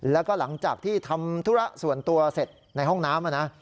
แล้วก็หลังจากที่ทำธุระส่วนตัวเสร็จในห้องน้ำนะ